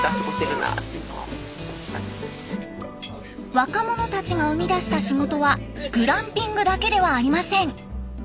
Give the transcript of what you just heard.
若者たちが生み出した仕事はグランピングだけではありません。